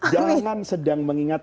jangan sedang mengingat